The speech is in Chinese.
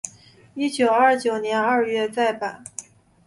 一九二九年二月再版。